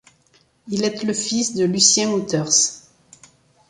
Il est le fils de Lucien Outers.